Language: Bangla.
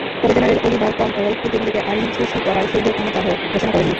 তবে জেনারেল অলিভার ক্রমওয়েল কিন্তু নিজেকে আইন সৃষ্টি করার স্বর্গীয় ক্ষমতাধর ঘোষণা করেননি।